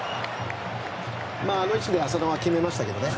あの位置で浅野は決めましたけどね。